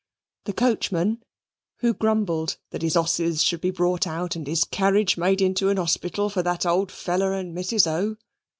The coachman, who grumbled that his 'osses should be brought out and his carriage made into an hospital for that old feller and Mrs. O.